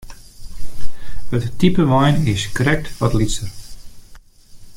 It type wein is krekt wat lytser.